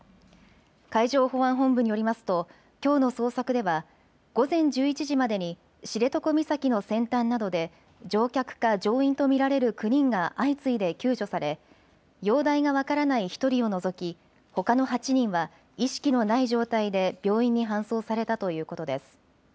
海上保安本部によりますときょうの捜索では午前１１時までに知床岬の先端などで乗客か乗員と見られる９人が相次いで救助され、容体が分からない１人を除きほかの８人は意識のない状態で病院に搬送されたということです。